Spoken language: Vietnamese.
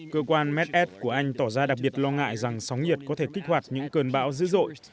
cơ quan meded của anh tỏ ra đặc biệt lo ngại rằng sóng nhiệt có thể kích hoạt những cơn bão dữ dội